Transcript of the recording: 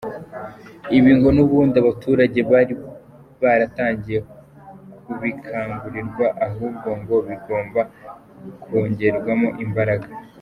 Ibi ngo n’ubundi abaturage bari baratangiye kubikangurirwa, ahubwo ngo bigomba kongerwamo imbaraga.